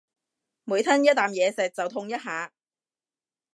每吞一啖嘢食就痛一下